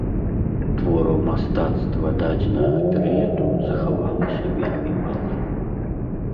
Твораў мастацтва дадзенага перыяду захавалася вельмі мала.